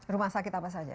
rumah sakit apa saja